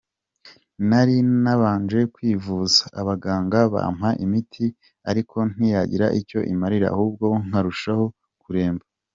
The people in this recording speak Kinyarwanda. Nari nabanje kwivuza , abaganga bampa imiti ariko ntiyagira icyo imarira ahubwo nkarushaho kuremba.